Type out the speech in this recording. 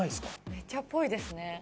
めっちゃっぽいですね。